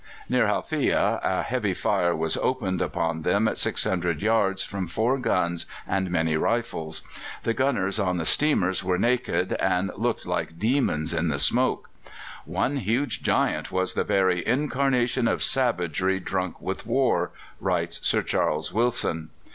Near Halfiyeh a heavy fire was opened upon them at 600 yards from four guns and many rifles. The gunners on the steamers were naked, and looked like demons in the smoke. "One huge giant was the very incarnation of savagery drunk with war," writes Sir Charles Wilson.